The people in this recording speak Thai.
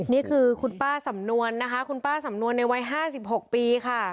นี่คือคุณป้าสำนวนนะคะคุณป้าสำนวนในวัย๕๖ปีค่ะ